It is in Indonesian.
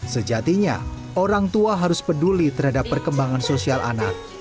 sejatinya orang tua harus peduli terhadap perkembangan sosial anak